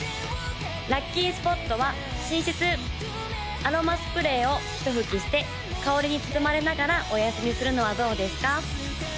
・ラッキースポットは寝室アロマスプレーをひとふきして香りに包まれながらお休みするのはどうですか？